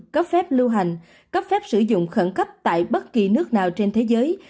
cấp phép lưu hành cấp phép sử dụng khẩn cấp tại bất kỳ nước nào trên thế giới